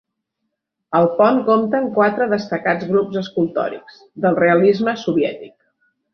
El pont compta amb quatre destacats grups escultòrics del realisme soviètic.